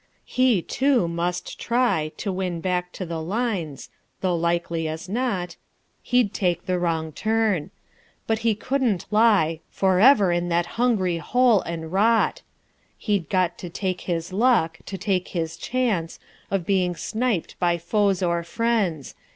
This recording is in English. He, too, must try To win back to the lines, though, likely as not, He'd take the wrong turn: but he couldn't lie Forever in that hungry hole and rot, He'd got to take his luck, to take his chance Of being sniped by foes or friends.